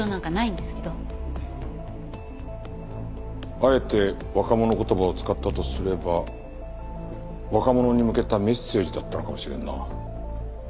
あえて若者言葉を使ったとすれば若者に向けたメッセージだったのかもしれんな。